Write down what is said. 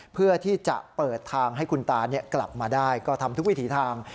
เพื่อที่จะเปิดทางให้คุณตากลับมาได้ก็ทำทุกวิถีทาง